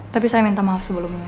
tapi saya minta maaf sebelumnya